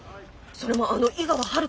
それもあの井川遥の！